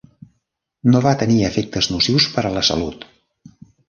No va tenir efectes nocius per a la salut.